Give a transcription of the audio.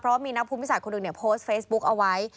เพราะมีนักภูมิศาสตร์คนหนึ่งเนี่ยโพสต์เฟซบุ๊กเอาไว้